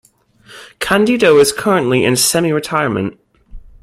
Candido is currently in semi-retirement.